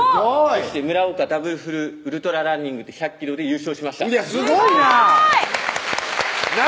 そして村岡ダブルフルウルトラランニングで１００ｋｍで優勝しましたスゴいな！